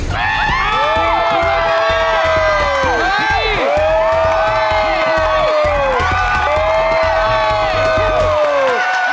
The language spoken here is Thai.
บทศวรรษ